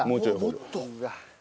もっと？